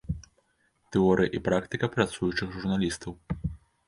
Тэорыя і практыка працуючых журналістаў.